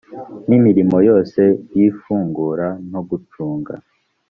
n imirimo yose y ifungura no gucunga